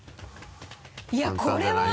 いやこれは。